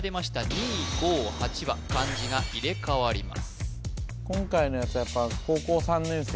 ２５８は漢字が入れ替わります